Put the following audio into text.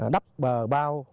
đắp bờ bao